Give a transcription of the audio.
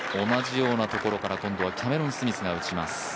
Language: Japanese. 同じようなところから今度はキャメロン・スミスが打ちます。